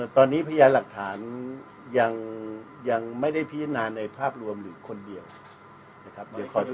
ตอนนี้พยานหลักฐานยังไม่ได้พิจารณาในภาพรวมหรือคนเดียวนะครับ